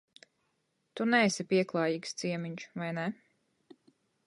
Tu neesi pieklājīgs ciemiņš, vai ne?